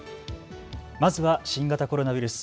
まずは新型コロナウイルス。